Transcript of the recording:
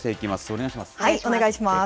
はい、お願いします。